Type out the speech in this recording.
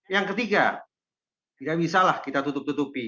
yang ketiga tidak bisa lah kita tutup tutupi